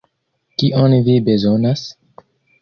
Kion vi bezonas?